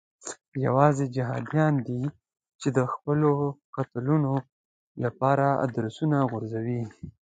یوازې جهادیان دي چې د خپلو قتلونو لپاره ادرسونه غورځوي.